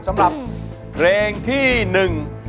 สำหรับเพลงที่หนึ่ง